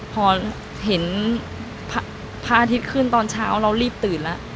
พอเห็นพระอาทิตย์ขึ้นตอนเช้าเรารีบตื่นแล้ว